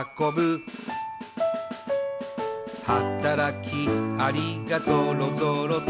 「はたらきアリがぞろぞろと」